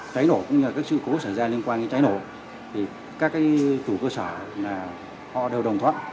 trái nổ cũng như là các sự cố xảy ra liên quan đến trái nổ thì các chủ cơ sở họ đều đồng thoát